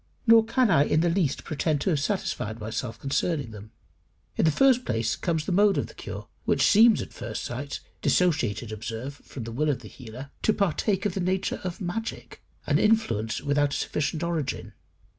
Nor can I in the least pretend to have satisfied myself concerning them. In the first place comes the mode of the cure, which seems at first sight (dissociated, observe, from the will of the healer) to partake of the nature of magic an influence without a sufficient origin.